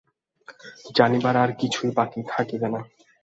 জানিবার আর কিছুই বাকী থাকিবে না।